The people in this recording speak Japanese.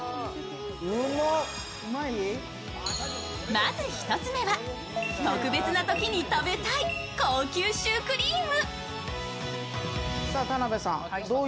まず１つ目は特別なときに食べたい高級シュークリーム。